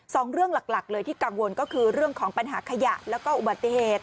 สองเรื่องหลักเลยที่กังวลก็คือเรื่องของปัญหาขยะแล้วก็อุบัติเหตุ